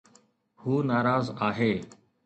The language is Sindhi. هو ناراض آهي